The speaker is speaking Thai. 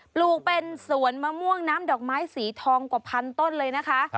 ลูกเป็นสวนมะม่วงน้ำดอกไม้สีทองกว่าพันต้นเลยนะคะ